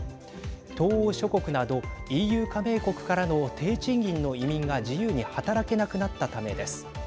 東欧諸国などＥＵ加盟国からの低賃金の移民が自由に働けなくなったためです。